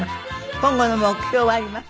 今後の目標はありますか？